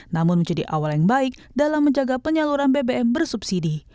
namun menjadi awal yang baik dalam menjaga penyaluran bbm bersubsidi